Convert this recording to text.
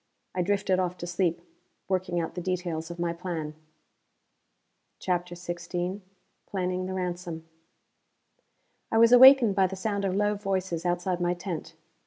I drifted off to sleep, working out the details of my plan. CHAPTER XVI Planning The Ransom I was awakened by the sound of low voices outside my tent.